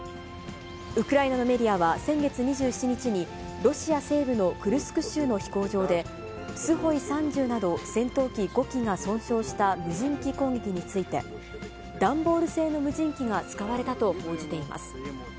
ウクライナのメディアは先月２７日に、ロシア西部のクルスク州の飛行場で、スホイ３０など戦闘機５機が損傷した無人機攻撃について、段ボール製の無人機が使われたと報じています。